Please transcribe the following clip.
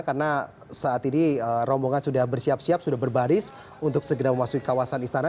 karena saat ini rombongan sudah bersiap siap sudah berbaris untuk segera memasuki kawasan istana